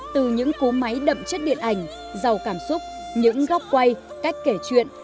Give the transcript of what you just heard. từ những cố máy đậm chất điện ảnh giàu cảm xúc những góc quay cách kể chuyện